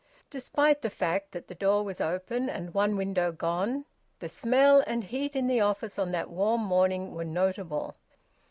Despite the fact that the door was open and one window gone, the smell and heat in the office on that warm morning were notable.